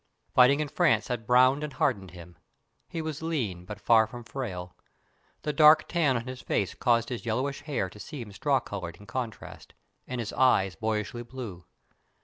Fighting in France had browned and hardened him. He was lean, but far from frail. The dark tan on his face caused his yellowish hair to seem straw coloured in contrast, and his eyes boyishly blue.